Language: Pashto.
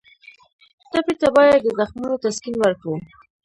ټپي ته باید د زخمونو تسکین ورکړو.